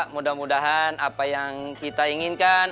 mudah mudahan apa yang kita inginkan